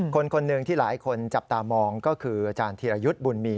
คนหนึ่งที่หลายคนจับตามองก็คืออาจารย์ธีรยุทธ์บุญมี